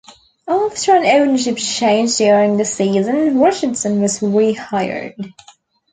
After an ownership change during the season, Richardson was rehired.